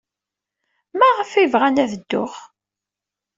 Maɣef ay bɣan ad dduɣ?